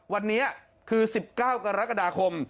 วันนี้คือ๑๙กรกฎาคม